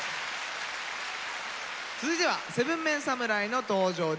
続いては７ＭＥＮ侍の登場です。